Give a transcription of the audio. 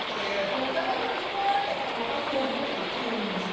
小野さんが正直者だったら田中は聖人ですね聖人。